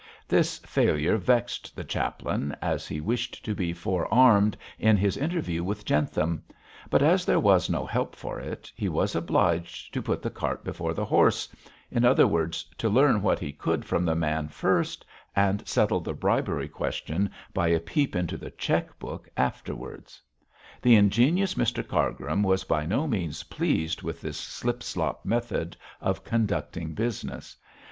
This failure vexed the chaplain, as he wished to be forearmed in his interview with Jentham, but, as there was no help for it, he was obliged to put the cart before the horse in other words, to learn what he could from the man first and settle the bribery question by a peep into the cheque book afterwards. The ingenious Mr Cargrim was by no means pleased with this slip slop method of conducting business.